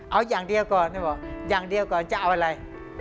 เอาอย่างเดียวก่อนอย่างเดียวก่อนจะเอาอะไร